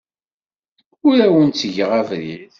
Ur awen-ttgeɣ abrid.